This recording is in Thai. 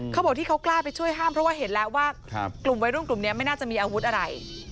เขาบอกที่เขากล้าไปช่วยห้ามเพราะว่าเห็นแล้วว่ากลุ่มวัยรุ่นกลุ่มนี้ไม่น่าจะมีอาวุธอะไร